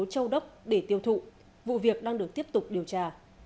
châu đốc để tiêu thụ vụ việc đang được tiếp tục điều tra